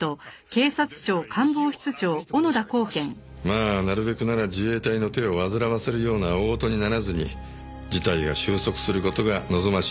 まあなるべくなら自衛隊の手を煩わせるような大事にならずに事態が収束する事が望ましいわけですから。